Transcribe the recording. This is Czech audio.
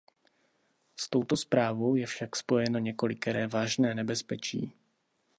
S touto zprávou je však spojeno několikeré vážné nebezpečí.